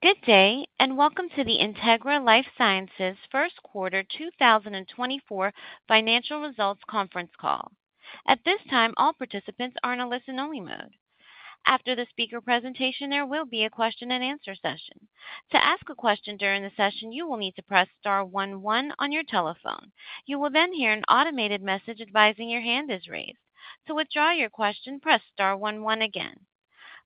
Good day and welcome to the Integra LifeSciences First Quarter 2024 Financial Results Conference Call. At this time, all participants are in a listen-only mode. After the speaker presentation, there will be a question-and-answer session. To ask a question during the session, you will need to press star 11 on your telephone. You will then hear an automated message advising your hand is raised. To withdraw your question, press star one one again.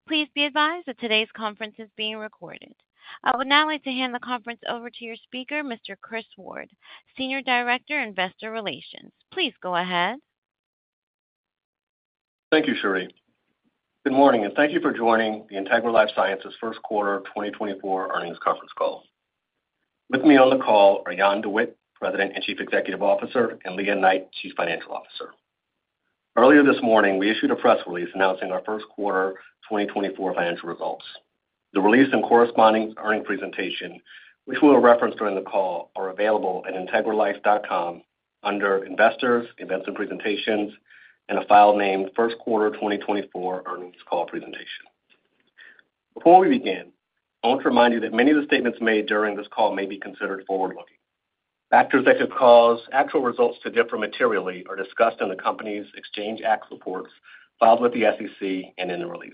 Please be advised that today's conference is being recorded. I would now like to hand the conference over to your speaker, Mr. Chris Ward, Senior Director, Investor Relations. Please go ahead. Thank you, Shirley. Good morning, and thank you for joining the Integra LifeSciences First Quarter 2024 Earnings Conference Call. With me on the call are Jan De Witte, President and Chief Executive Officer, and Lea Knight, Chief Financial Officer. Earlier this morning, we issued a press release announcing our First Quarter 2024 financial results. The release and corresponding earnings presentation, which we will reference during the call, are available at integralife.com under Investors, Events and Presentations, and a file named First Quarter 2024 Earnings Call Presentation. Before we begin, I want to remind you that many of the statements made during this call may be considered forward-looking. Factors that could cause actual results to differ materially are discussed in the company's Exchange Act reports filed with the SEC and in the release.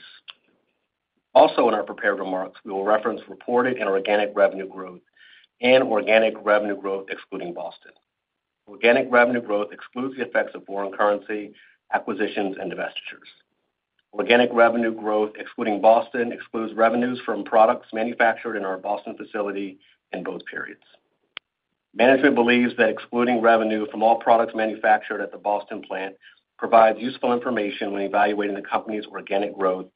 Also, in our prepared remarks, we will reference reported and organic revenue growth and organic revenue growth excluding Boston. Organic revenue growth excludes the effects of foreign currency, acquisitions, and divestitures. Organic revenue growth excluding Boston excludes revenues from products manufactured in our Boston facility in both periods. Management believes that excluding revenue from all products manufactured at the Boston plant provides useful information when evaluating the company's organic growth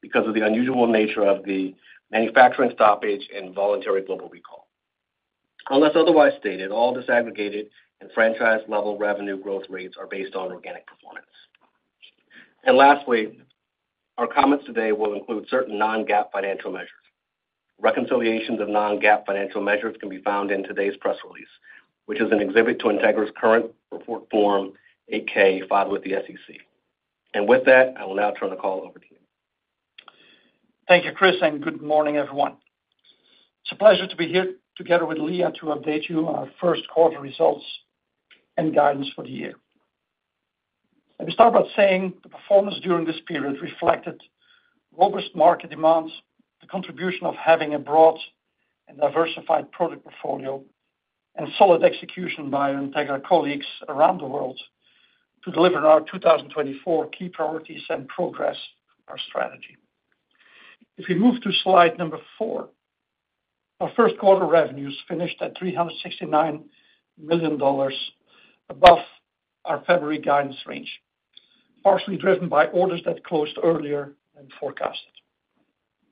because of the unusual nature of the manufacturing stoppage and voluntary global recall. Unless otherwise stated, all disaggregated and franchise-level revenue growth rates are based on organic performance. Lastly, our comments today will include certain non-GAAP financial measures. Reconciliations of non-GAAP financial measures can be found in today's press release, which is an exhibit to Integra's current report Form 8-K filed with the SEC. With that, I will now turn the call over to you. Thank you, Chris, and good morning, everyone. It's a pleasure to be here together with Lea to update you on our First Quarter results and guidance for the year. Let me start by saying the performance during this period reflected robust market demands, the contribution of having a broad and diversified product portfolio, and solid execution by our Integra colleagues around the world to deliver on our 2024 key priorities and progress for our strategy. If we move to slide four, our First Quarter revenues finished at $369 million above our February guidance range, partially driven by orders that closed earlier than forecasted.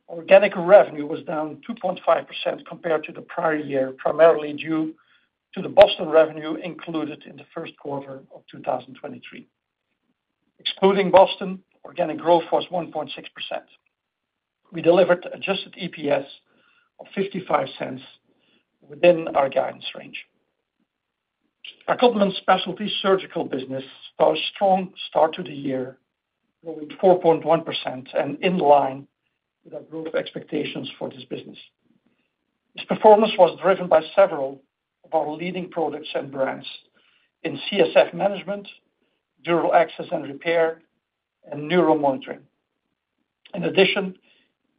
Organic revenue was down 2.5% compared to the prior year, primarily due to the Boston revenue included in the First Quarter of 2023. Excluding Boston, organic growth was 1.6%. We delivered adjusted EPS of $0.55 within our guidance range. Our equipment specialty surgical business found a strong start to the year, growing 4.1%, and in line with our growth expectations for this business. Its performance was driven by several of our leading products and brands in CSF management, dural access and repair, and neuromonitoring. In addition,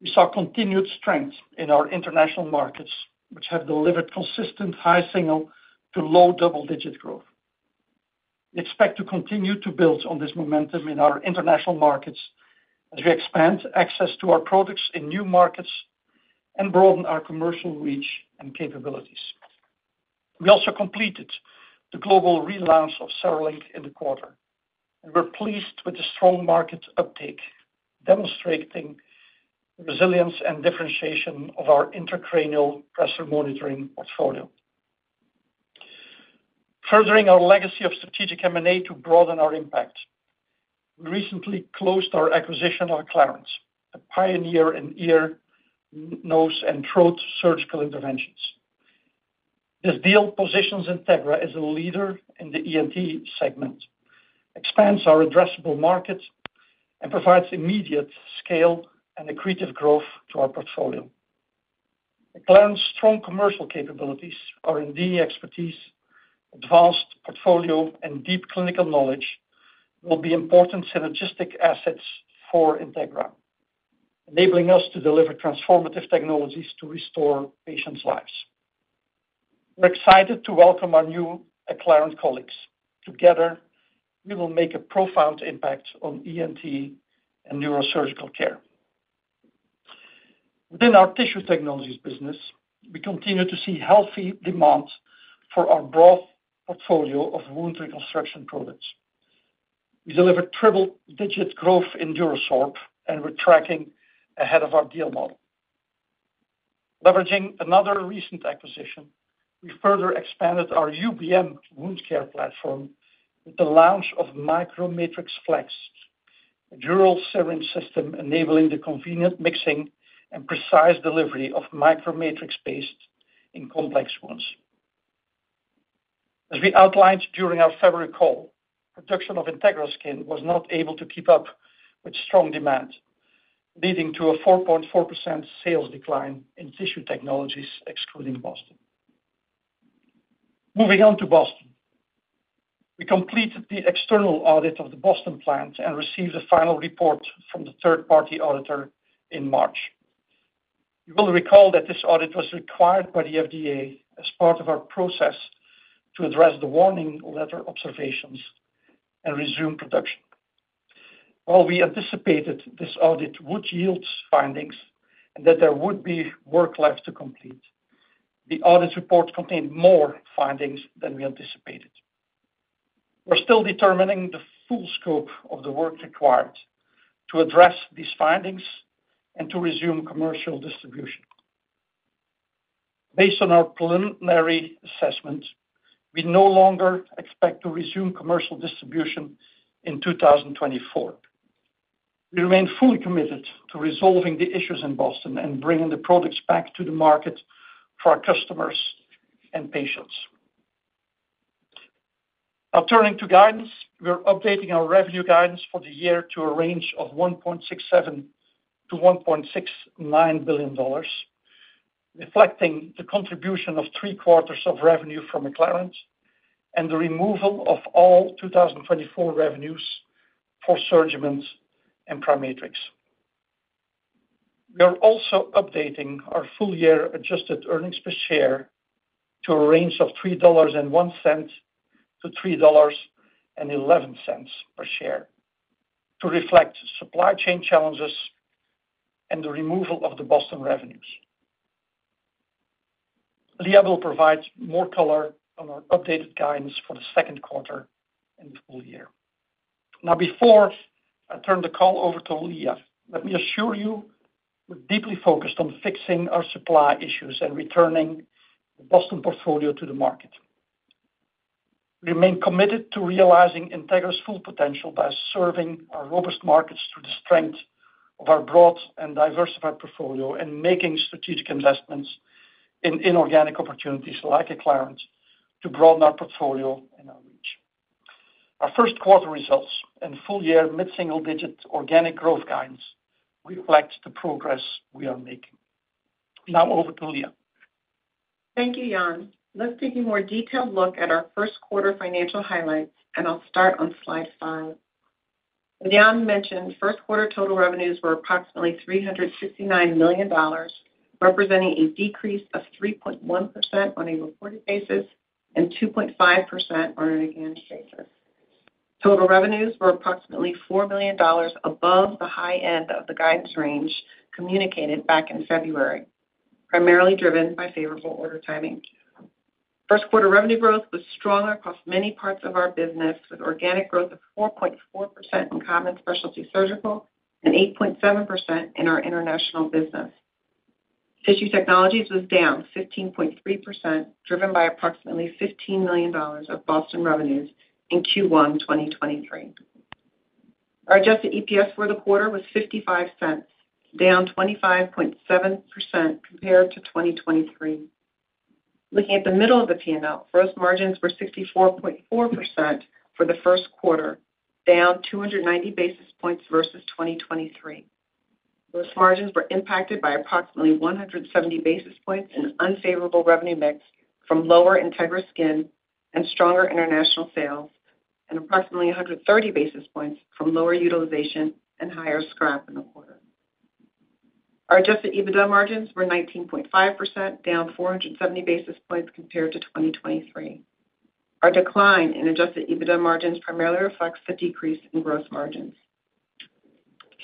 we saw continued strength in our international markets, which have delivered consistent high-single to low-double-digit growth. We expect to continue to build on this momentum in our international markets as we expand access to our products in new markets and broaden our commercial reach and capabilities. We also completed the global relaunch of CereLink in the quarter, and we're pleased with the strong market uptake demonstrating the resilience and differentiation of our intracranial pressure monitoring portfolio. Furthering our legacy of strategic M&A to broaden our impact, we recently closed our acquisition of Acclarent, a pioneer in ear, nose, and throat surgical interventions. This deal positions Integra as a leader in the ENT segment, expands our addressable markets, and provides immediate scale and accretive growth to our portfolio. Acclarent's strong commercial capabilities, R&D expertise, advanced portfolio, and deep clinical knowledge will be important synergistic assets for Integra, enabling us to deliver transformative technologies to restore patients' lives. We're excited to welcome our new Acclarent colleagues. Together, we will make a profound impact on ENT and neurosurgical care. Within our tissue technologies business, we continue to see healthy demand for our broad portfolio of wound reconstruction products. We delivered triple-digit growth in DuraSorb, and we're tracking ahead of our deal model. Leveraging another recent acquisition, we further expanded our UBM wound care platform with the launch of MicroMatrix Flex, a dual-syringe system enabling the convenient mixing and precise delivery of MicroMatrix paste in complex wounds. As we outlined during our February call, production of Integra Skin was not able to keep up with strong demand, leading to a 4.4% sales decline in tissue technologies excluding Boston. Moving on to Boston, we completed the external audit of the Boston plant and received a final report from the third-party auditor in March. You will recall that this audit was required by the FDA as part of our process to address the warning letter observations and resume production. While we anticipated this audit would yield findings and that there would be work left to complete, the audit report contained more findings than we anticipated. We're still determining the full scope of the work required to address these findings and to resume commercial distribution. Based on our preliminary assessment, we no longer expect to resume commercial distribution in 2024. We remain fully committed to resolving the issues in Boston and bringing the products back to the market for our customers and patients. Now, turning to guidance, we're updating our revenue guidance for the year to a range of $1.67 billion-$1.69 billion, reflecting the contribution of three-quarters of revenue from Acclarent and the removal of all 2024 revenues for SurgiMend and PriMatrix. We are also updating our full-year adjusted earnings per share to a range of $3.01-$3.11 per share to reflect supply chain challenges and the removal of the Boston revenues. Lea will provide more color on our updated guidance for the second quarter and the full year. Now, before I turn the call over to Lea, let me assure you we're deeply focused on fixing our supply issues and returning the Boston portfolio to the market. We remain committed to realizing Integra's full potential by serving our robust markets through the strength of our broad and diversified portfolio and making strategic investments in inorganic opportunities like Acclarent to broaden our portfolio and our reach. Our first quarter results and full-year mid-single digit organic growth guidance reflect the progress we are making. Now over to Lea. Thank you, Jan. Let's take a more detailed look at our First Quarter financial highlights, and I'll start on slide five. As Jan mentioned, First Quarter total revenues were approximately $369 million, representing a decrease of 3.1% on a reported basis and 2.5% on an adjusted basis. Total revenues were approximately $4 million above the high end of the guidance range communicated back in February, primarily driven by favorable order timing. First Quarter revenue growth was stronger across many parts of our business, with organic growth of 4.4% in Codman Specialty Surgical and 8.7% in our international business. Tissue Technologies was down 15.3%, driven by approximately $15 million of Boston revenues in Q1 2023. Our adjusted EPS for the quarter was $0.55, down 25.7% compared to 2023. Looking at the middle of the P&L, gross margins were 64.4% for the first quarter, down 290 basis points versus 2023. Gross margins were impacted by approximately 170 basis points in unfavorable revenue mix from lower Integra Skin and stronger international sales, and approximately 130 basis points from lower utilization and higher scrap in the quarter. Our Adjusted EBITDA margins were 19.5%, down 470 basis points compared to 2023. Our decline in Adjusted EBITDA margins primarily reflects the decrease in gross margins.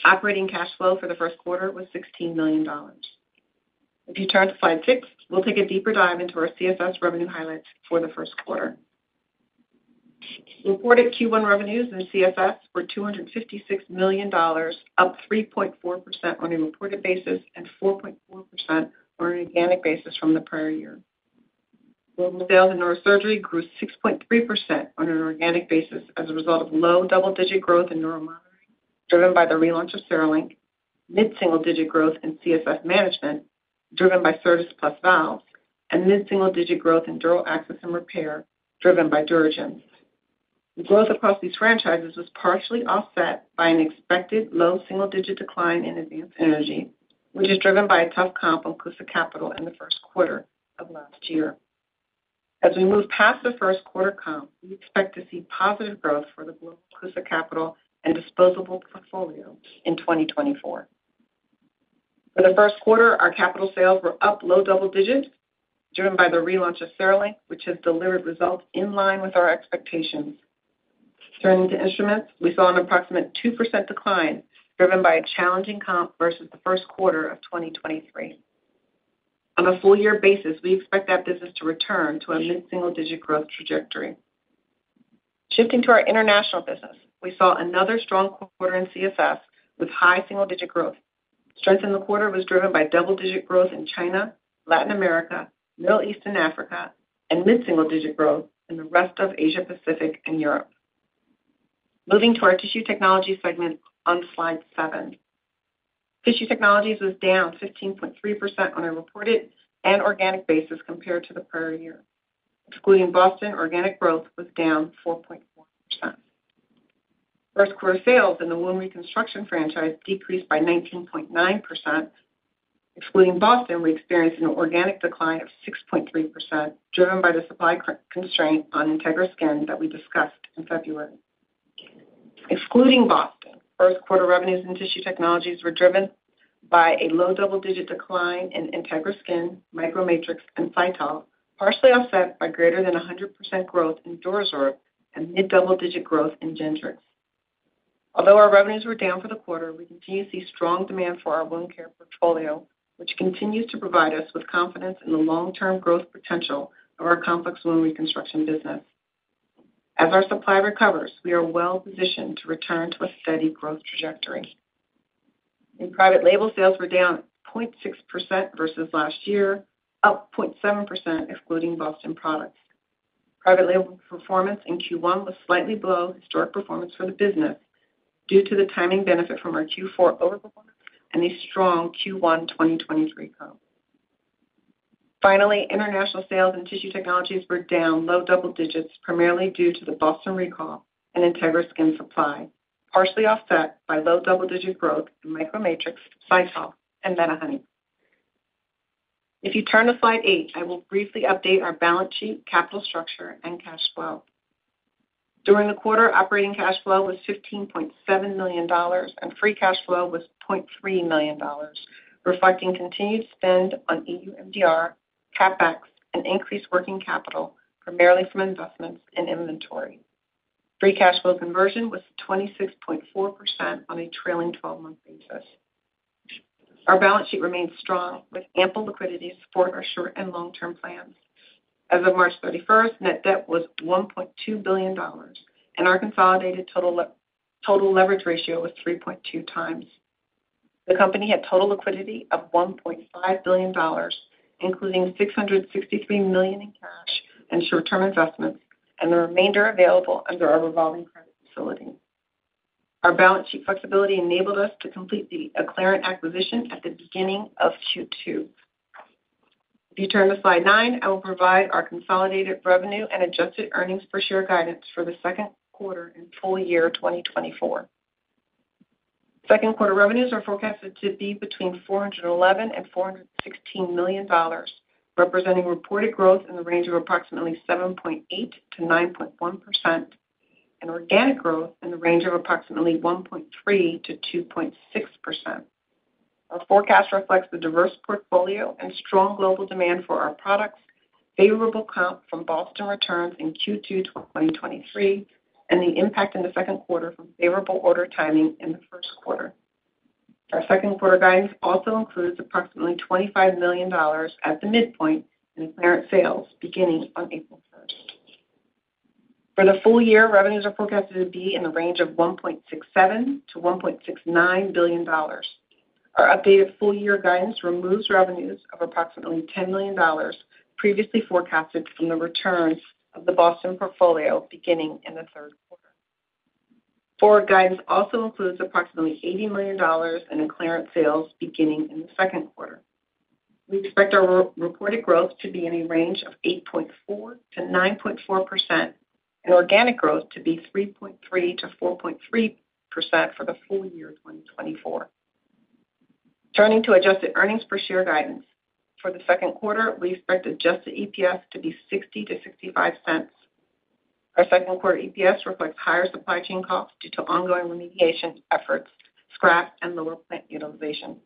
Operating cash flow for the first quarter was $16 million. If you turn to slide six, we'll take a deeper dive into our CSS revenue highlights for the first quarter. Reported Q1 revenues in CSS were $256 million, up 3.4% on a reported basis and 4.4% on an organic basis from the prior year. Global sales in neurosurgery grew 6.3% on an organic basis as a result of low double-digit growth in neuromonitoring driven by the relaunch of CereLink, mid-single digit growth in CSF management driven by CERTAS Plus valves, and mid-single digit growth in dural access and repair driven by DuraGen. The growth across these franchises was partially offset by an expected low single-digit decline in advanced energy, which is driven by a tough comp on CUSA capital in the first quarter of last year. As we move past the first quarter comp, we expect to see positive growth for the global CUSA capital and disposable portfolio in 2024. For the first quarter, our capital sales were up low double-digit driven by the relaunch of CereLink, which has delivered results in line with our expectations. Turning to instruments, we saw an approximate 2% decline driven by a challenging comp versus the first quarter of 2023. On a full-year basis, we expect that business to return to a mid-single digit growth trajectory. Shifting to our international business, we saw another strong quarter in CSS with high single-digit growth. Strength in the quarter was driven by double-digit growth in China, Latin America, Middle East, and Africa, and mid-single digit growth in the rest of Asia, Pacific, and Europe. Moving to our Tissue Technologies segment on slide seven, Tissue Technologies was down 15.3% on a reported and organic basis compared to the prior year. Excluding Boston, organic growth was down 4.4%. First Quarter sales in the wound reconstruction franchise decreased by 19.9%. Excluding Boston, we experienced an organic decline of 6.3% driven by the supply constraint on Integra Skin that we discussed in February. Excluding Boston, First Quarter revenues in tissue technologies were driven by a low double-digit decline in Integra Skin, MicroMatrix, and Cytal, partially offset by greater than 100% growth in DuraSorb and mid-double-digit growth in Gentrix. Although our revenues were down for the quarter, we continue to see strong demand for our wound care portfolio, which continues to provide us with confidence in the long-term growth potential of our complex wound reconstruction business. As our supply recovers, we are well-positioned to return to a steady growth trajectory. In private label sales, we're down 0.6% versus last year, up 0.7% excluding Boston products. Private label performance in Q1 was slightly below historic performance for the business due to the timing benefit from our Q4 overperformance and the strong Q1 2023 comp. Finally, international sales in tissue technologies were down low double-digits primarily due to the Boston recall and Integra Skin supply, partially offset by low double-digit growth in MicroMatrix, Cytal, and MediHoney. If you turn to slide eight, I will briefly update our balance sheet, capital structure, and cash flow. During the quarter, operating cash flow was $15.7 million, and free cash flow was $0.3 million, reflecting continued spend on EU MDR, CapEx, and increased working capital primarily from investments in inventory. Free cash flow conversion was 26.4% on a trailing 12-month basis. Our balance sheet remained strong with ample liquidity to support our short- and long-term plans. As of March 31st, net debt was $1.2 billion, and our consolidated total leverage ratio was 3.2x. The company had total liquidity of $1.5 billion, including $663 million in cash and short-term investments, and the remainder available under our revolving credit facility. Our balance sheet flexibility enabled us to complete the Acclarent acquisition at the beginning of Q2. If you turn to slide nine, I will provide our consolidated revenue and adjusted earnings per share guidance for the second quarter and full year 2024. Second quarter revenues are forecasted to be between $411 million-$416 million, representing reported growth in the range of approximately 7.8%-9.1% and organic growth in the range of approximately 1.3%-2.6%. Our forecast reflects the diverse portfolio and strong global demand for our products, favorable comp from Boston returns in Q2 2023, and the impact in the second quarter from favorable order timing in the first quarter. Our second quarter guidance also includes approximately $25 million at the midpoint in Acclarent sales beginning on April 1st. For the full year, revenues are forecasted to be in the range of $1.67 billion-$1.69 billion. Our updated full-year guidance removes revenues of approximately $10 million previously forecasted from the returns of the Boston portfolio beginning in the third quarter. Forward guidance also includes approximately $80 million in Acclarent sales beginning in the second quarter. We expect our reported growth to be in a range of 8.4%-9.4% and organic growth to be 3.3%-4.3% for the full year 2024. Turning to adjusted earnings per share guidance, for the second quarter, we expect adjusted EPS to be $0.60-$0.65. Our second quarter EPS reflects higher supply chain costs due to ongoing remediation efforts, scrap, and lower plant utilization.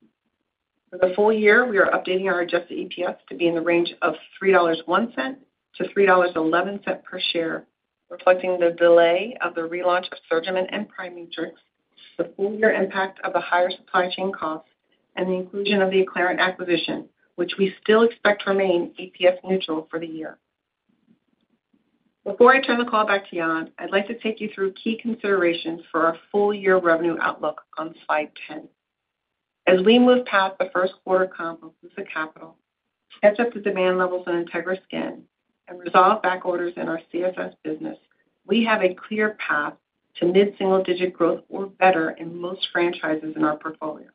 For the full year, we are updating our Adjusted EPS to be in the range of $3.01-$3.11 per share, reflecting the delay of the relaunch of SurgiMend and PriMatrix, the full-year impact of the higher supply chain costs, and the inclusion of the Acclarent acquisition, which we still expect to remain EPS neutral for the year. Before I turn the call back to Jan, I'd like to take you through key considerations for our full-year revenue outlook on slide 10. As we move past the first quarter comp on CUSA capital, catch up to demand levels in Integra Skin, and resolve backorders in our CSS business, we have a clear path to mid-single digit growth or better in most franchises in our portfolio.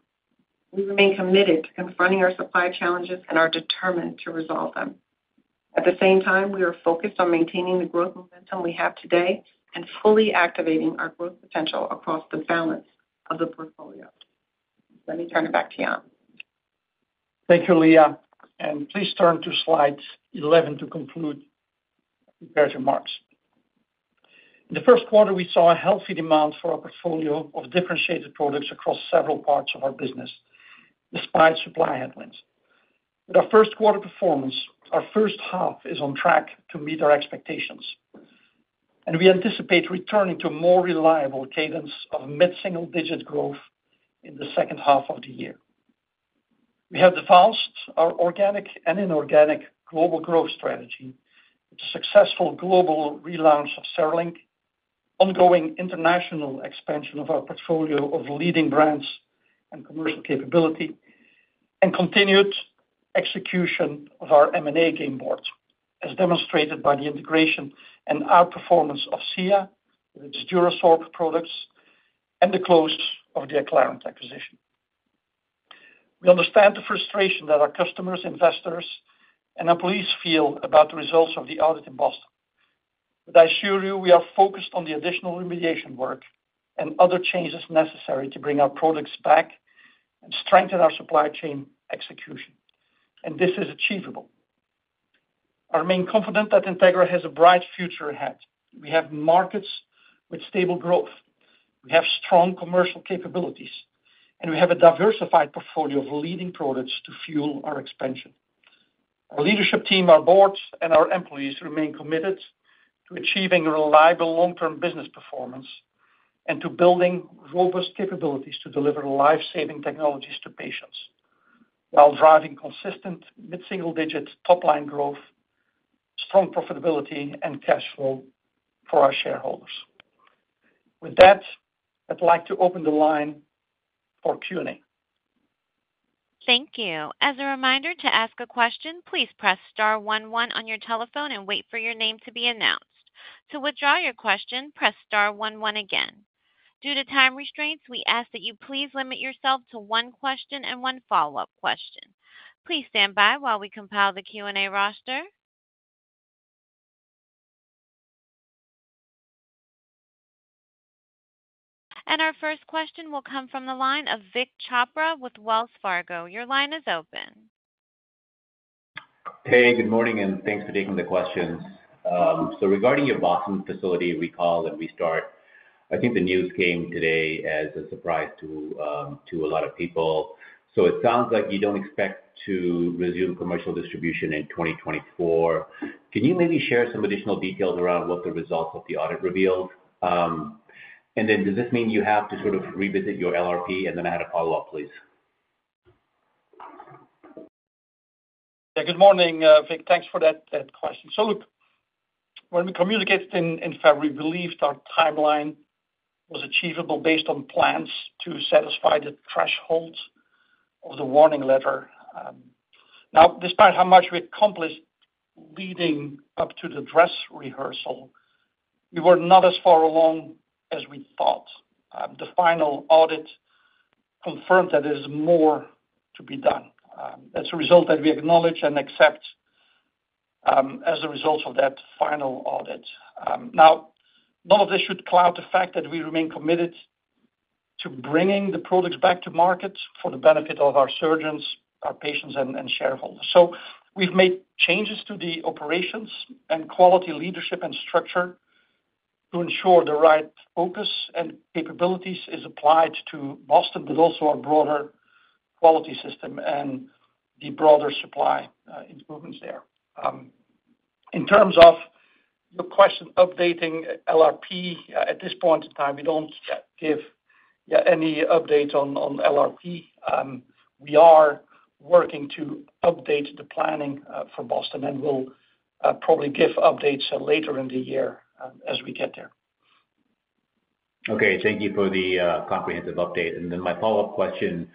We remain committed to confronting our supply challenges and are determined to resolve them. At the same time, we are focused on maintaining the growth momentum we have today and fully activating our growth potential across the balance of the portfolio. Let me turn it back to Jan. Thank you, Lea. Please turn to slides 11 to conclude concluding remarks. In the first quarter, we saw a healthy demand for our portfolio of differentiated products across several parts of our business despite supply headwinds. With our first quarter performance, our first half is on track to meet our expectations, and we anticipate returning to a more reliable cadence of mid-single digit growth in the second half of the year. We have advanced our organic and inorganic global growth strategy with a successful global relaunch of CereLink, ongoing international expansion of our portfolio of leading brands and commercial capability, and continued execution of our M&A game board as demonstrated by the integration and outperformance of SIA with its DuraSorb products and the close of the Acclarent acquisition. We understand the frustration that our customers, investors, and employees feel about the results of the audit in Boston. But I assure you, we are focused on the additional remediation work and other changes necessary to bring our products back and strengthen our supply chain execution, and this is achievable. I remain confident that Integra has a bright future ahead. We have markets with stable growth, we have strong commercial capabilities, and we have a diversified portfolio of leading products to fuel our expansion. Our leadership team, our board, and our employees remain committed to achieving reliable long-term business performance and to building robust capabilities to deliver life-saving technologies to patients while driving consistent mid-single digit top-line growth, strong profitability, and cash flow for our shareholders. With that, I'd like to open the line for Q&A. Thank you. As a reminder to ask a question, please press star 11 on your telephone and wait for your name to be announced. To withdraw your question, press star one one again. Due to time restraints, we ask that you please limit yourself to one question and one follow-up question. Please stand by while we compile the Q&A roster. Our first question will come from the line of Vik Chopra with Wells Fargo. Your line is open. Hey, good morning, and thanks for taking the questions. So regarding your Boston facility recall and restart, I think the news came today as a surprise to a lot of people. So it sounds like you don't expect to resume commercial distribution in 2024. Can you maybe share some additional details around what the results of the audit revealed? And then does this mean you have to sort of revisit your LRP? And then I had a follow-up, please. Yeah, good morning, Vic. Thanks for that question. So look, when we communicated in February, we believed our timeline was achievable based on plans to satisfy the thresholds of the warning letter. Now, despite how much we accomplished leading up to the dress rehearsal, we were not as far along as we thought. The final audit confirmed that there is more to be done. That's a result that we acknowledge and accept as a result of that final audit. Now, none of this should cloud the fact that we remain committed to bringing the products back to market for the benefit of our surgeons, our patients, and shareholders. So we've made changes to the operations and quality leadership and structure to ensure the right focus and capabilities are applied to Boston, but also our broader quality system and the broader supply improvements there. In terms of your question, updating LRP, at this point in time, we don't yet give any update on LRP. We are working to update the planning for Boston, and we'll probably give updates later in the year as we get there. Okay. Thank you for the comprehensive update. My follow-up question.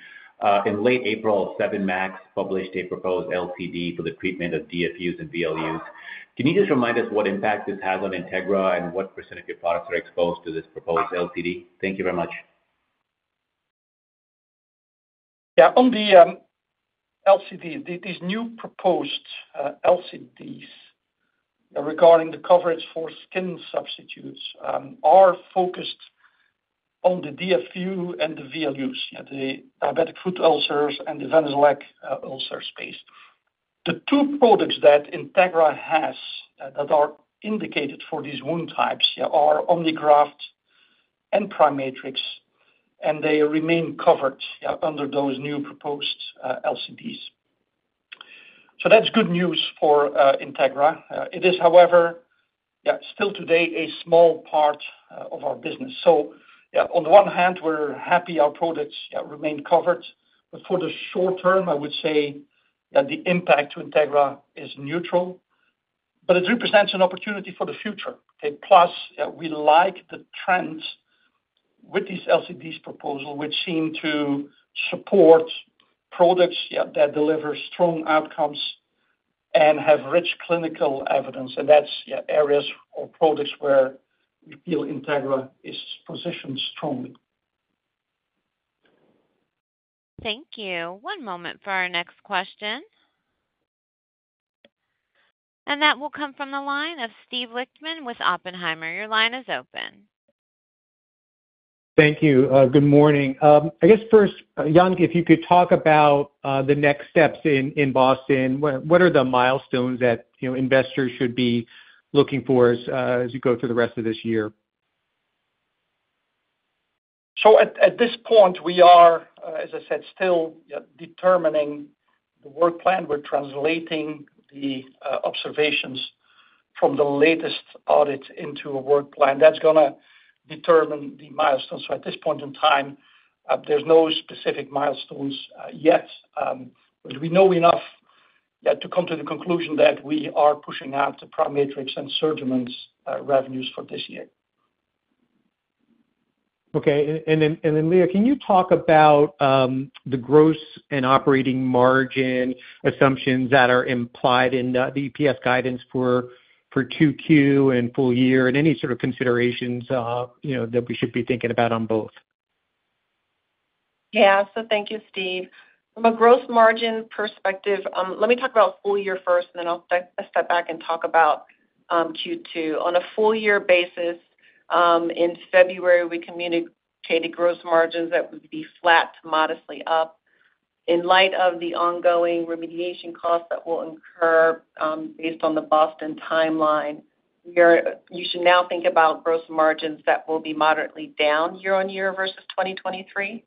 In late April, Noridian published a proposed LCD for the treatment of DFUs and VLUs. Can you just remind us what impact this has on Integra and what % of your products are exposed to this proposed LCD? Thank you very much. Yeah. On the LCDs, these new proposed LCDs regarding the coverage for skin substitutes are focused on the DFU and the VLUs, the diabetic foot ulcers and the venous leg ulcer space. The two products that Integra has that are indicated for these wound types are Omnigraft and PriMatrix, and they remain covered under those new proposed LCDs. So that's good news for Integra. It is, however, still today a small part of our business. So on the one hand, we're happy our products remain covered, but for the short term, I would say the impact to Integra is neutral, but it represents an opportunity for the future. Plus, we like the trend with these LCDs proposal, which seem to support products that deliver strong outcomes and have rich clinical evidence. And that's areas or products where we feel Integra is positioned strongly. Thank you. One moment for our next question. That will come from the line of Steve Lichtman with Oppenheimer. Your line is open. Thank you. Good morning. I guess first, Jan, if you could talk about the next steps in Boston, what are the milestones that investors should be looking for as you go through the rest of this year? So at this point, we are, as I said, still determining the work plan. We're translating the observations from the latest audit into a work plan. That's going to determine the milestones. So at this point in time, there's no specific milestones yet, but we know enough yet to come to the conclusion that we are pushing out the PriMatrix and SurgiMend revenues for this year. Okay. And then, Lea, can you talk about the gross and operating margin assumptions that are implied in the EPS guidance for Q2 and full year and any sort of considerations that we should be thinking about on both? Yeah. So thank you, Steve. From a gross margin perspective, let me talk about full year first, and then I'll step back and talk about Q2. On a full-year basis, in February, we communicated gross margins that would be flat to modestly up. In light of the ongoing remediation costs that will incur based on the Boston timeline, you should now think about gross margins that will be moderately down year-on-year versus 2023.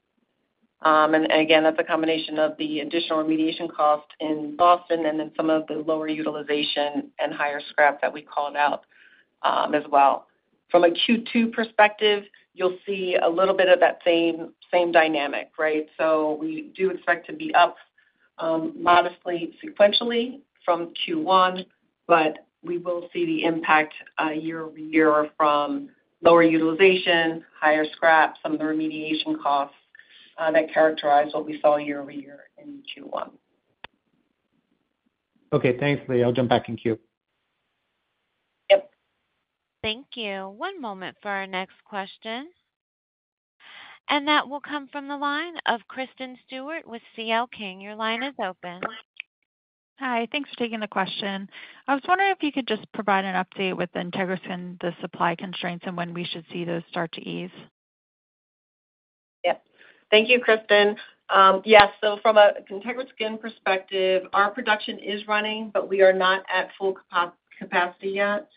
And again, that's a combination of the additional remediation cost in Boston and then some of the lower utilization and higher scrap that we called out as well. From a Q2 perspective, you'll see a little bit of that same dynamic, right? So we do expect to be up modestly sequentially from Q1, but we will see the impact year-over-year from lower utilization, higher scrap, some of the remediation costs that characterize what we saw year-over-year in Q1. Okay. Thanks, Lea. I'll jump back in queue. Yep. Thank you. One moment for our next question. That will come from the line of Kristen Stewart with CL King. Your line is open. Hi. Thanks for taking the question. I was wondering if you could just provide an update with Integra Skin, the supply constraints, and when we should see those start to ease? Yep. Thank you, Kristen. Yes. So from an Integra Skin perspective, our production is running, but we are not at full capacity yet.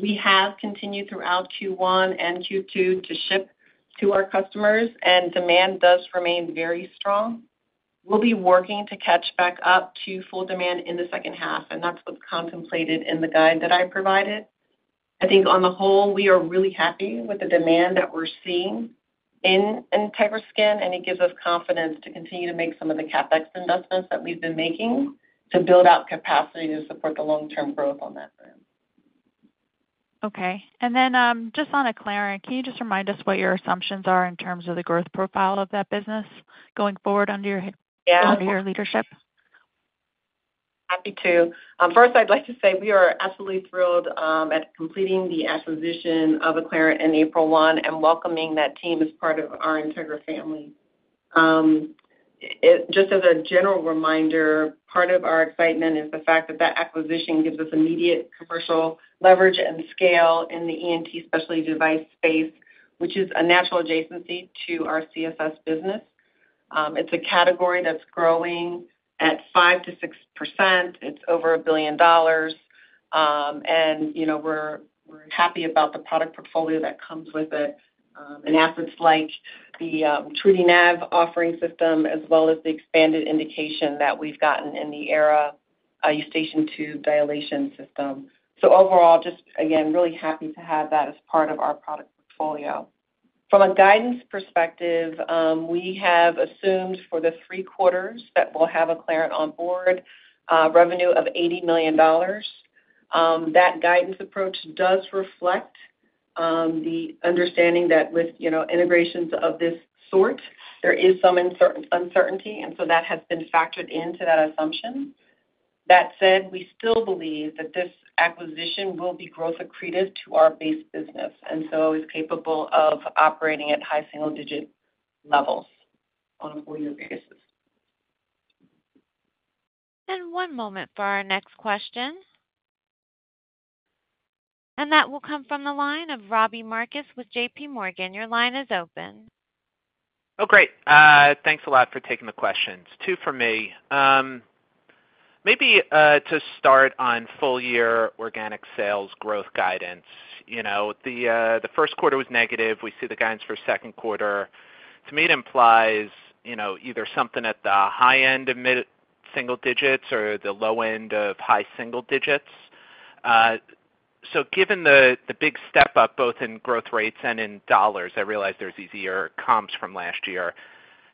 We have continued throughout Q1 and Q2 to ship to our customers, and demand does remain very strong. We'll be working to catch back up to full demand in the second half, and that's what's contemplated in the guide that I provided. I think on the whole, we are really happy with the demand that we're seeing in Integra Skin, and it gives us confidence to continue to make some of the CapEx investments that we've been making to build out capacity to support the long-term growth on that brand. Okay. And then just on Acclarent, can you just remind us what your assumptions are in terms of the growth profile of that business going forward under your leadership? Yeah. Happy to. First, I'd like to say we are absolutely thrilled at completing the acquisition of Acclarent on April 1 and welcoming that team as part of our Integra family. Just as a general reminder, part of our excitement is the fact that that acquisition gives us immediate commercial leverage and scale in the ENT specialty device space, which is a natural adjacency to our CSS business. It's a category that's growing at 5%-6%. It's over $1 billion. And we're happy about the product portfolio that comes with it and assets like the TruDi offering system as well as the expanded indication that we've gotten in the AERA Eustachian tube dilation system. So overall, just again, really happy to have that as part of our product portfolio. From a guidance perspective, we have assumed for the three quarters that we'll have Acclarent on board, revenue of $80 million. That guidance approach does reflect the understanding that with integrations of this sort, there is some uncertainty, and so that has been factored into that assumption. That said, we still believe that this acquisition will be growth accretive to our base business and so is capable of operating at high single-digit levels on a full-year basis. One moment for our next question. That will come from the line of Robbie Marcus with JPMorgan. Your line is open. Oh, great. Thanks a lot for taking the questions. Two for me. Maybe to start on full-year organic sales growth guidance. The first quarter was negative. We see the guidance for second quarter. To me, it implies either something at the high end of mid-single digits or the low end of high single digits. So given the big step-up both in growth rates and in dollars, I realize there's easier comps from last year,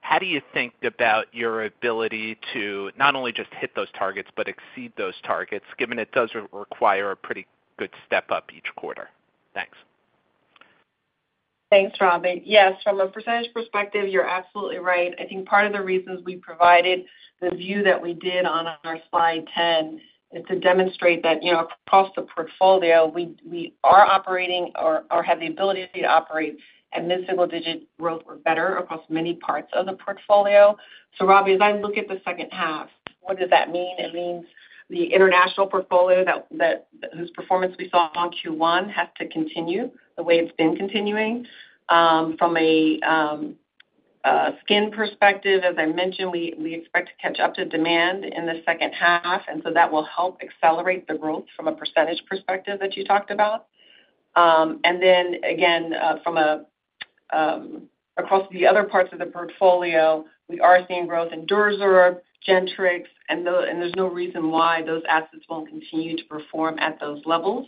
how do you think about your ability to not only just hit those targets but exceed those targets, given it does require a pretty good step-up each quarter? Thanks. Thanks, Robbie. Yes. From a percentage perspective, you're absolutely right. I think part of the reasons we provided the view that we did on our slide 10 is to demonstrate that across the portfolio, we are operating or have the ability to operate at mid-single-digit growth or better across many parts of the portfolio. So Robbie, as I look at the second half, what does that mean? It means the international portfolio whose performance we saw on Q1 has to continue the way it's been continuing. From a skin perspective, as I mentioned, we expect to catch up to demand in the second half, and so that will help accelerate the growth from a percentage perspective that you talked about. And then again, across the other parts of the portfolio, we are seeing growth in DuraSorb, Gentrix, and there's no reason why those assets won't continue to perform at those levels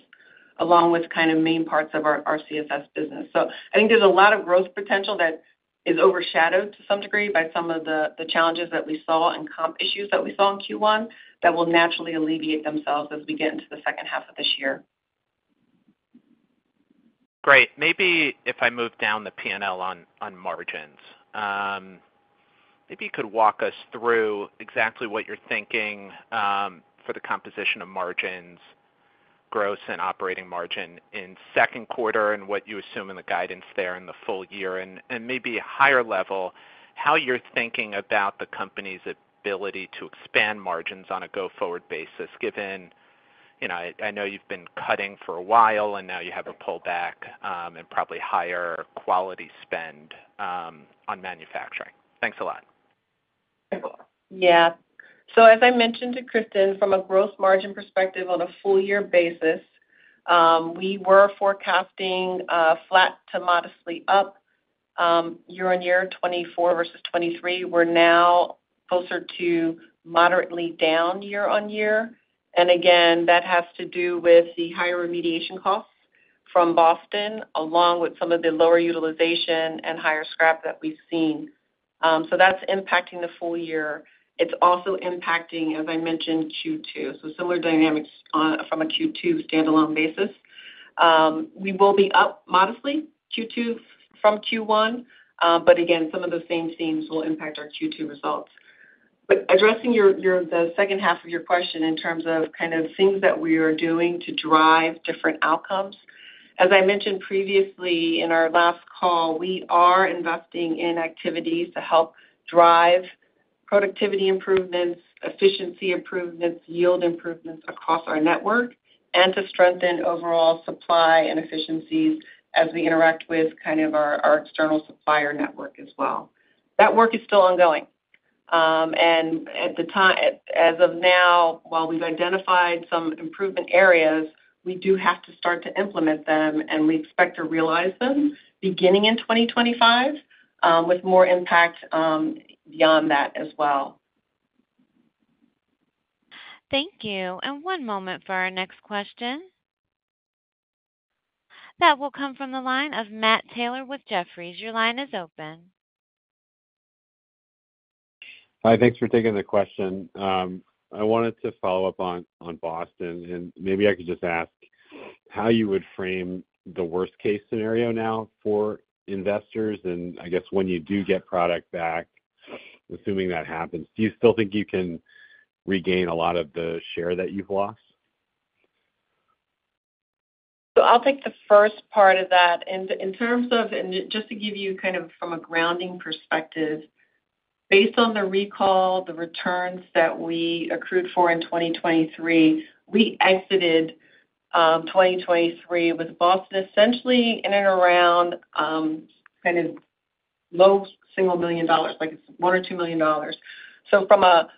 along with kind of main parts of our CSS business. So I think there's a lot of growth potential that is overshadowed to some degree by some of the challenges that we saw and comp issues that we saw in Q1 that will naturally alleviate themselves as we get into the second half of this year. Great. Maybe if I move down the P&L on margins, maybe you could walk us through exactly what you're thinking for the composition of margins, gross and operating margin in second quarter and what you assume in the guidance there in the full year. And maybe higher level, how you're thinking about the company's ability to expand margins on a go-forward basis given I know you've been cutting for a while, and now you have a pullback and probably higher quality spend on manufacturing. Thanks a lot. Yeah. So as I mentioned to Kristen, from a gross margin perspective on a full-year basis, we were forecasting flat to modestly up year-over-year, 2024 versus 2023. We're now closer to moderately down year-over-year. And again, that has to do with the higher remediation costs from Boston along with some of the lower utilization and higher scrap that we've seen. So that's impacting the full year. It's also impacting, as I mentioned, Q2. So similar dynamics from a Q2 standalone basis. We will be up modestly, Q2, from Q1, but again, some of those same themes will impact our Q2 results. Addressing the second half of your question in terms of kind of things that we are doing to drive different outcomes, as I mentioned previously in our last call, we are investing in activities to help drive productivity improvements, efficiency improvements, yield improvements across our network, and to strengthen overall supply and efficiencies as we interact with kind of our external supplier network as well. That work is still ongoing. As of now, while we've identified some improvement areas, we do have to start to implement them, and we expect to realize them beginning in 2025 with more impact beyond that as well. Thank you. One moment for our next question. That will come from the line of Matt Taylor with Jefferies. Your line is open. Hi. Thanks for taking the question. I wanted to follow up on Boston, and maybe I could just ask how you would frame the worst-case scenario now for investors. And I guess when you do get product back, assuming that happens, do you still think you can regain a lot of the share that you've lost? So I'll take the first part of that. And just to give you kind of from a grounding perspective, based on the recall, the returns that we accrued for in 2023, we exited 2023 with Boston essentially in and around kind of low single million dollars, like it's $1 million or $2 million. So from a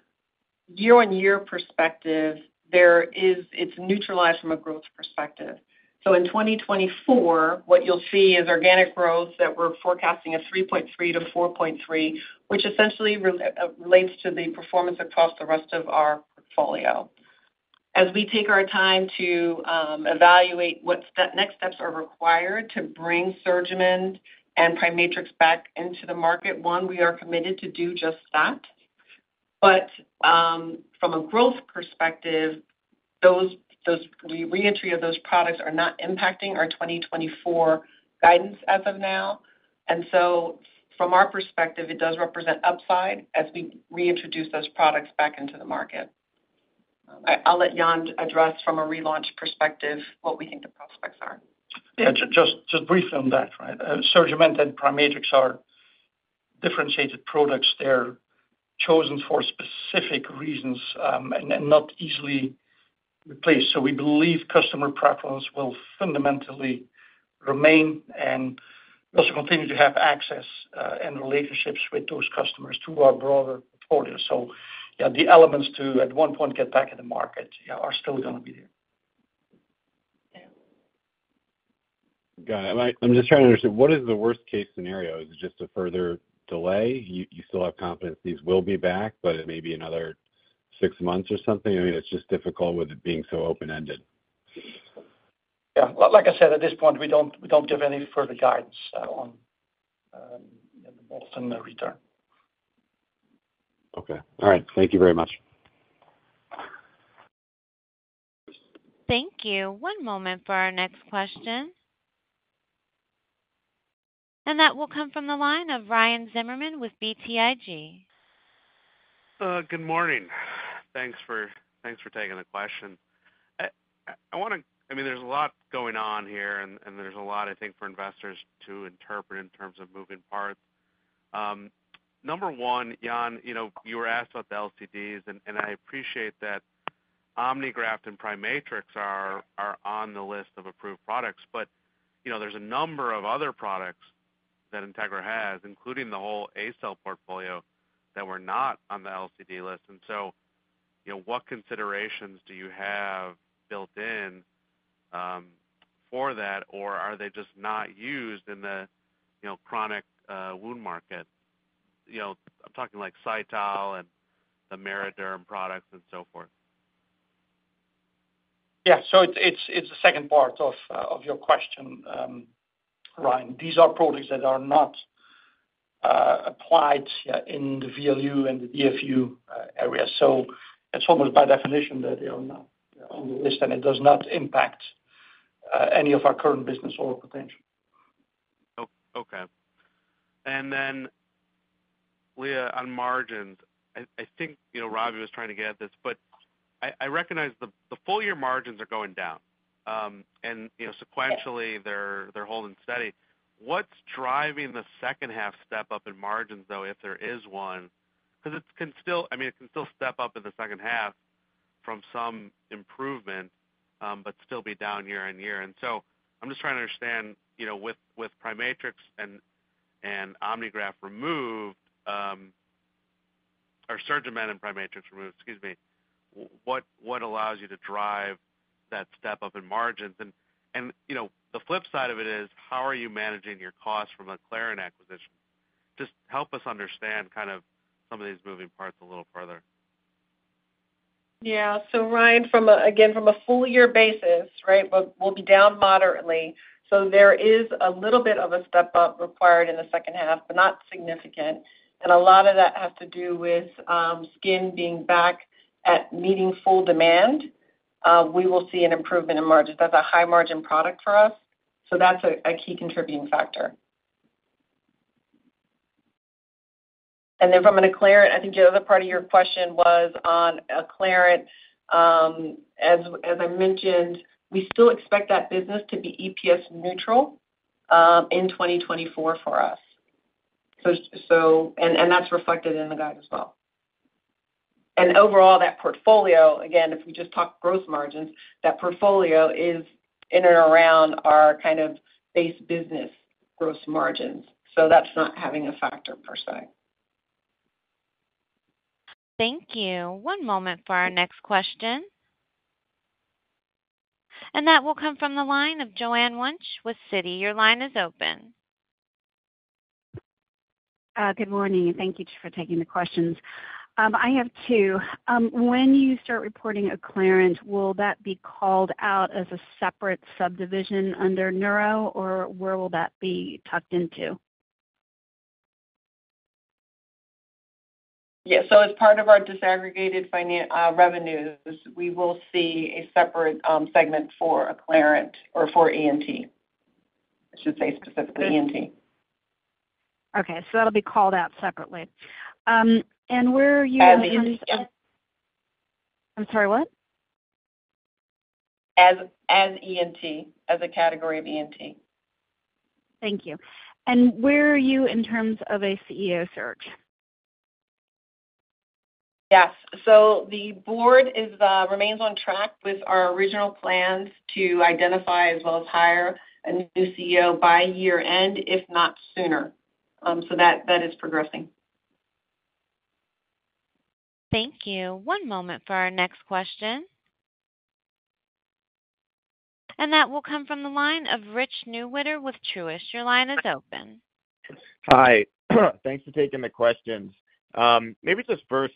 year-on-year perspective, it's neutralized from a growth perspective. So in 2024, what you'll see is organic growth that we're forecasting a 3.3%-4.3%, which essentially relates to the performance across the rest of our portfolio. As we take our time to evaluate what next steps are required to bring SurgiMend and PriMatrix back into the market, one, we are committed to do just that. But from a growth perspective, the reentry of those products are not impacting our 2024 guidance as of now. From our perspective, it does represent upside as we reintroduce those products back into the market. I'll let Jan address from a relaunch perspective what we think the prospects are. Yeah. Just brief on that, right? SurgiMend and PriMatrix are differentiated products. They're chosen for specific reasons and not easily replaced. So we believe customer preference will fundamentally remain, and we also continue to have access and relationships with those customers through our broader portfolio. So yeah, the elements to at one point get back in the market are still going to be there. Got it. I'm just trying to understand, what is the worst-case scenario? Is it just a further delay? You still have confidence these will be back, but it may be another six months or something? I mean, it's just difficult with it being so open-ended. Yeah. Like I said, at this point, we don't give any further guidance on the Boston return. Okay. All right. Thank you very much. Thank you. One moment for our next question. And that will come from the line of Ryan Zimmerman with BTIG. Good morning. Thanks for taking the question. I mean, there's a lot going on here, and there's a lot, I think, for investors to interpret in terms of moving parts. Number one, Jan, you were asked about the LCDs, and I appreciate that Omnigraft and PriMatrix are on the list of approved products. But there's a number of other products that Integra has, including the whole ACell portfolio, that were not on the LCD list. And so what considerations do you have built-in for that, or are they just not used in the chronic wound market? I'm talking like Cytal and the Ameriderm products and so forth. Yeah. So it's the second part of your question, Ryan. These are products that are not applied in the VLU and the DFU area. So it's almost by definition that they are not on the list, and it does not impact any of our current business or all potential. Okay. And then Lea, on margins, I think Robbie was trying to get at this, but I recognize the full-year margins are going down, and sequentially, they're holding steady. What's driving the second-half step-up in margins, though, if there is one? Because it can still—I mean, it can still step up in the second half from some improvement but still be down year-over-year. And so I'm just trying to understand with PriMatrix and Omnigraft removed or SurgiMend and PriMatrix removed, excuse me, what allows you to drive that step-up in margins? And the flip side of it is, how are you managing your costs from an Acclarent acquisition? Just help us understand kind of some of these moving parts a little further. Yeah. So Ryan, again, from a full-year basis, right, we'll be down moderately. So there is a little bit of a step-up required in the second half, but not significant. And a lot of that has to do with skin being back at meeting full demand. We will see an improvement in margins. That's a high-margin product for us. So that's a key contributing factor. And then from an Acclarent, I think the other part of your question was on Acclarent. As I mentioned, we still expect that business to be EPS-neutral in 2024 for us. And that's reflected in the guide as well. And overall, that portfolio again, if we just talk growth margins, that portfolio is in and around our kind of base business growth margins. So that's not having a factor per se. Thank you. One moment for our next question. That will come from the line of Joanne Wuensch with Citi. Your line is open. Good morning. Thank you for taking the questions. I have two. When you start reporting Acclarent, will that be called out as a separate subdivision under Neuro, or where will that be tucked into? Yeah. So as part of our disaggregated revenues, we will see a separate segment for Acclarent or for ENT. I should say specifically ENT. Okay. So that'll be called out separately. And where are you in terms of. As ENT. I'm sorry. What? As ENT, as a category of ENT. Thank you. Where are you in terms of a CEO search? Yes. So the board remains on track with our original plans to identify as well as hire a new CEO by year-end, if not sooner. That is progressing. Thank you. One moment for our next question. That will come from the line of Rich Newitter with Truist. Your line is open. Hi. Thanks for taking the questions. Maybe just first,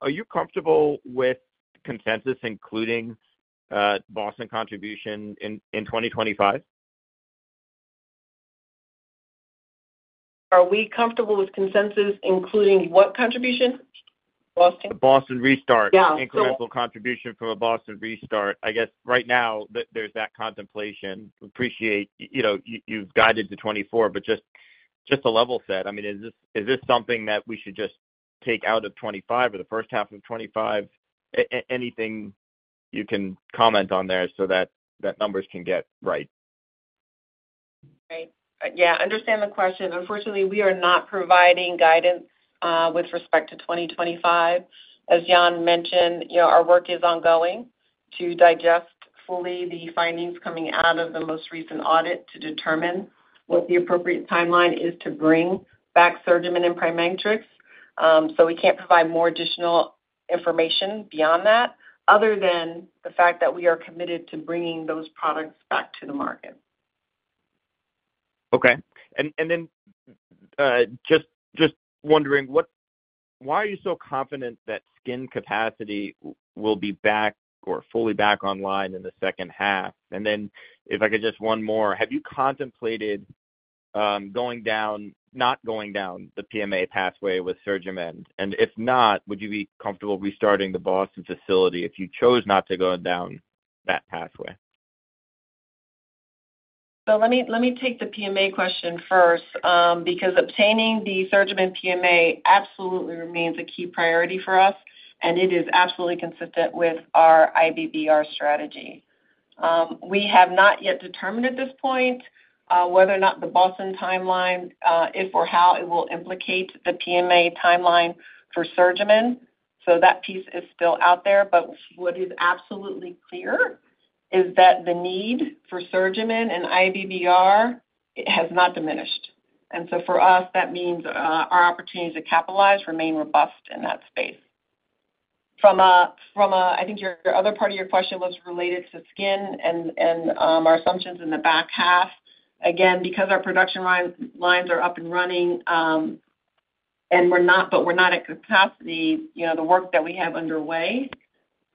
are you comfortable with consensus including Boston contribution in 2025? Are we comfortable with consensus including what contribution? Boston? Boston Restart, incremental contribution from a Boston Restart. I guess right now, there's that contemplation. We appreciate you've guided to 2024, but just a level set. I mean, is this something that we should just take out of 2025 or the first half of 2025? Anything you can comment on there so that numbers can get right. Right. Yeah. Understand the question. Unfortunately, we are not providing guidance with respect to 2025. As Jan mentioned, our work is ongoing to digest fully the findings coming out of the most recent audit to determine what the appropriate timeline is to bring back SurgiMend and PriMatrix. So we can't provide more additional information beyond that other than the fact that we are committed to bringing those products back to the market. Okay. And then just wondering, why are you so confident that skin capacity will be back or fully back online in the second half? And then if I could just one more, have you contemplated not going down the PMA pathway with SurgiMend? And if not, would you be comfortable restarting the Boston facility if you chose not to go down that pathway? So let me take the PMA question first because obtaining the SurgiMend PMA absolutely remains a key priority for us, and it is absolutely consistent with our IBBR strategy. We have not yet determined at this point whether or not the Boston timeline, if or how, it will implicate the PMA timeline for SurgiMend. So that piece is still out there. But what is absolutely clear is that the need for SurgiMend and IBBR has not diminished. And so for us, that means our opportunities to capitalize remain robust in that space. I think your other part of your question was related to skin and our assumptions in the back half. Again, because our production lines are up and running but we're not at capacity, the work that we have underway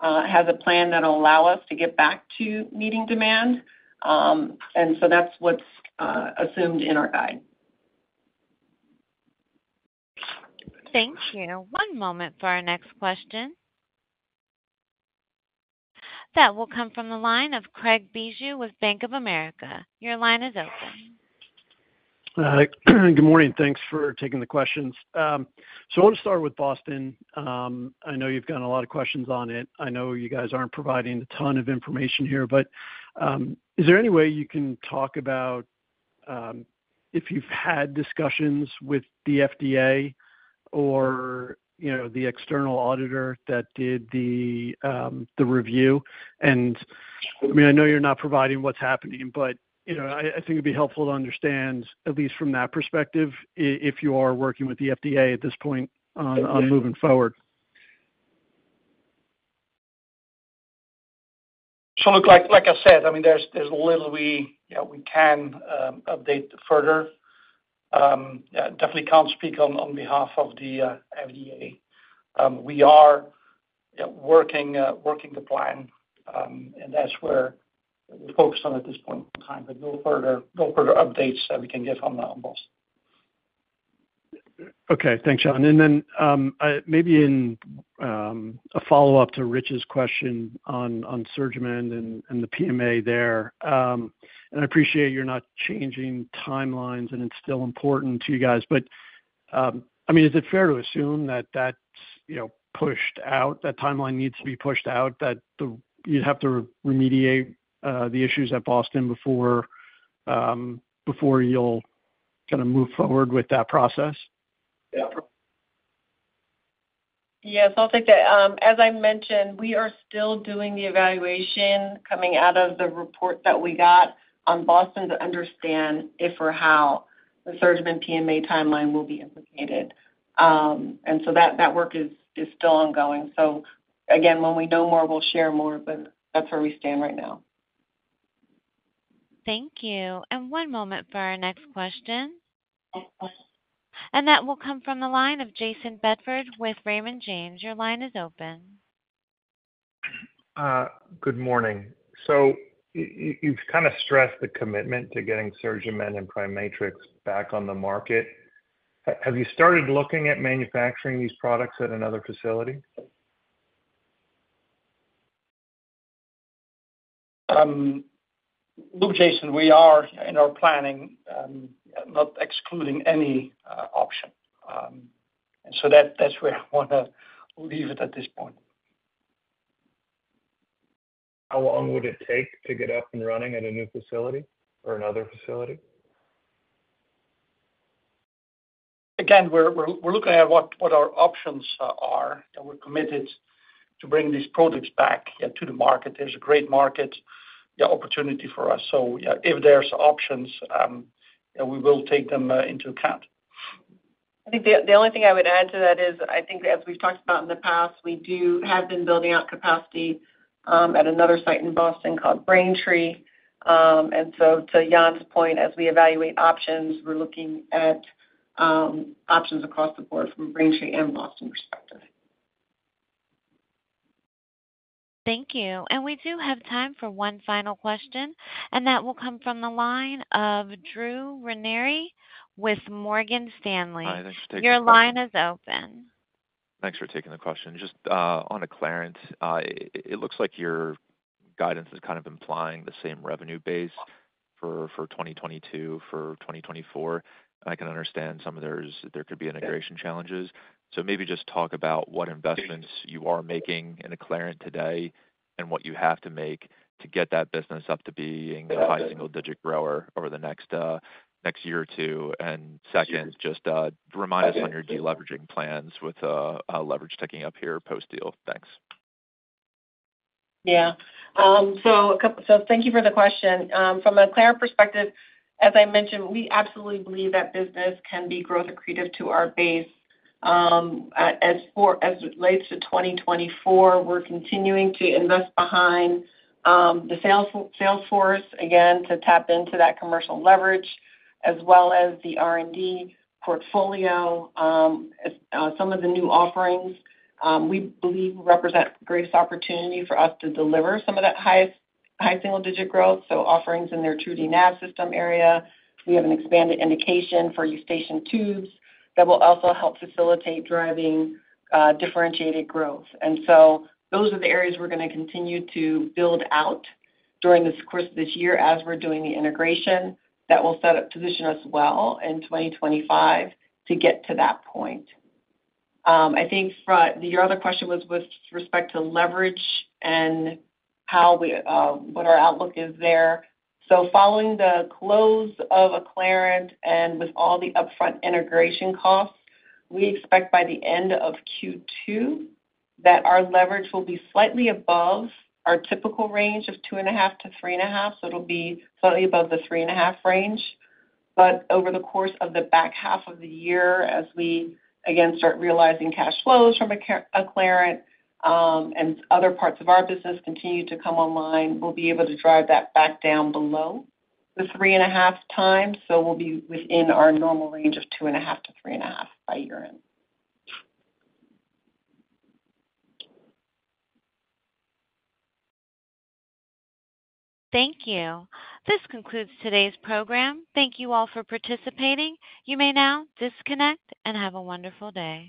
has a plan that'll allow us to get back to meeting demand. That's what's assumed in our guide. Thank you. One moment for our next question. That will come from the line of Craig Bijou with Bank of America. Your line is open. Good morning. Thanks for taking the questions. I want to start with Boston. I know you've gotten a lot of questions on it. I know you guys aren't providing a ton of information here, but is there any way you can talk about if you've had discussions with the FDA or the external auditor that did the review? I mean, I know you're not providing what's happening, but I think it'd be helpful to understand, at least from that perspective, if you are working with the FDA at this point on moving forward. So like I said, I mean, there's little we can update further. Definitely can't speak on behalf of the FDA. We are working the plan, and that's where we're focused on at this point in time. But no further updates that we can give on Boston. Okay. Thanks, Jan. And then maybe in a follow-up to Rich's question on SurgiMend and the PMA there, and I appreciate you're not changing timelines, and it's still important to you guys. But I mean, is it fair to assume that that's pushed out, that timeline needs to be pushed out, that you'd have to remediate the issues at Boston before you'll kind of move forward with that process? Yes. I'll take that. As I mentioned, we are still doing the evaluation coming out of the report that we got on Boston to understand if or how the SurgiMend PMA timeline will be implicated. And so that work is still ongoing. So again, when we know more, we'll share more, but that's where we stand right now. Thank you. One moment for our next question. That will come from the line of Jayson Bedford with Raymond James. Your line is open. Good morning. So you've kind of stressed the commitment to getting SurgiMend and PriMatrix back on the market. Have you started looking at manufacturing these products at another facility? Look, Jayson, we are in our planning, not excluding any option. And so that's where I want to leave it at this point. How long would it take to get up and running at a new facility or another facility? Again, we're looking at what our options are. We're committed to bring these products back to the market. There's a great market opportunity for us. So if there's options, we will take them into account. I think the only thing I would add to that is, I think as we've talked about in the past, we have been building out capacity at another site in Boston called Braintree. And so to Jan's point, as we evaluate options, we're looking at options across the board from a Braintree and Boston perspective. Thank you. And we do have time for one final question, and that will come from the line of Drew Ranieri with Morgan Stanley. Your line is open. Thanks for taking the question. Just on Acclarent, it looks like your guidance is kind of implying the same revenue base for 2022, for 2024. I can understand some of that there could be integration challenges. So maybe just talk about what investments you are making in Acclarent today and what you have to make to get that business up to being a high-single-digit grower over the next year or two. And second, just remind us on your deleveraging plans with leverage ticking up here post-deal. Thanks. Yeah. So thank you for the question. From an Acclarent perspective, as I mentioned, we absolutely believe that business can be growth-accretive to our base. As it relates to 2024, we're continuing to invest behind the sales force, again, to tap into that commercial leverage as well as the R&D portfolio, some of the new offerings. We believe represent greatest opportunity for us to deliver some of that high-single-digit growth. So offerings in their TruDi Nav system area. We have an expanded indication for Eustachian tubes that will also help facilitate driving differentiated growth. And so those are the areas we're going to continue to build out during the course of this year as we're doing the integration that will position us well in 2025 to get to that point. I think your other question was with respect to leverage and what our outlook is there. So following the close of Acclarent and with all the upfront integration costs, we expect by the end of Q2 that our leverage will be slightly above our typical range of 2.5x-3.5x. So it'll be slightly above the 3.5x range. But over the course of the back half of the year, as we, again, start realizing cash flows from Acclarent and other parts of our business continue to come online, we'll be able to drive that back down below the 3.5x. So we'll be within our normal range of 2.5x-3.5x by year-end. Thank you. This concludes today's program. Thank you all for participating. You may now disconnect and have a wonderful day.